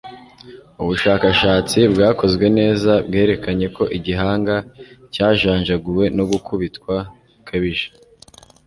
Ubushakashatsi bwakozwe neza bwerekanye ko igihanga cyajanjaguwe no gukubitwa bikabije